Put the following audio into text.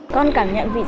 thơm ngon và béo ạ